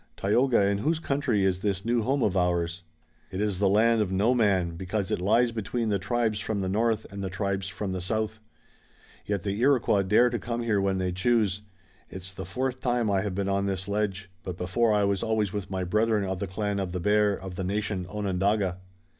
Tayoga, in whose country is this new home of ours?" "It is the land of no man, because it lies between the tribes from the north and the tribes from the south. Yet the Iroquois dare to come here when they choose. It's the fourth time I have been on this ledge, but before I was always with my brethren of the clan of the Bear of the nation Onondaga."